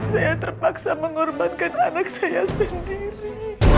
saya terpaksa mengorbankan anak saya sendiri